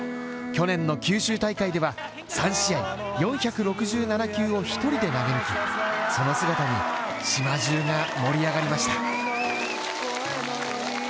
去年の九州大会では３試合４６７球を一人で投げ抜きその姿に島じゅうが盛り上がりました。